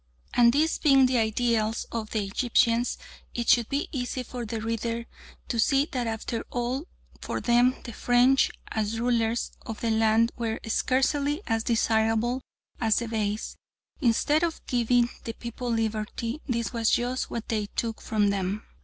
And these being the ideals of the Egyptians, it should be easy for the reader to see that after all for them the French, as rulers of the land, were scarcely as desirable as the Beys. Instead of giving the people liberty, this was just what they took from them.